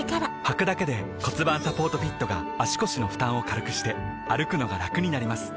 はくだけで骨盤サポートフィットが腰の負担を軽くして歩くのがラクになります